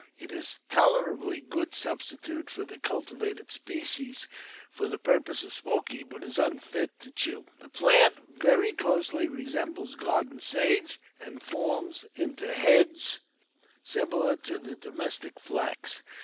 It is a tolerably good substitute for the cultivated species, for the purpose of smoking, but it is unfit to chew. The plant very closely resembles garden sage, and forms into heads similar to the domestic flax.